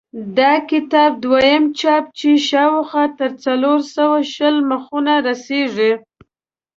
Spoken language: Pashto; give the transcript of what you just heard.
د کتاب دویم چاپ چې شاوخوا تر څلور سوه شل مخونو رسېږي.